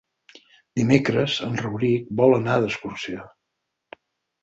Dimecres en Rauric vol anar d'excursió.